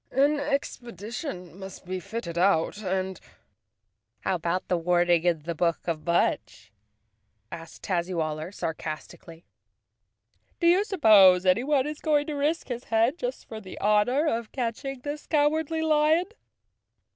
"An expedition must be fit¬ ted out and—" "How about the warning in the book of Mudge?" asked Tazzywaller sarcastically. "Do you suppose anyone is going to risk his head just for the honor of catching this Cowardly Lion?"